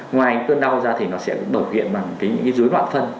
ngoài cơn đau ra thì nó sẽ bởi hiện bằng những dối loạn phân